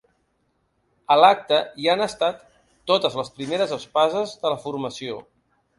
A l’acte hi han estat totes les primeres espases de la formació.